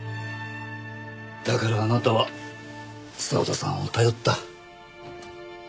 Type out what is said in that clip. だからあなたは澤田さんを頼った。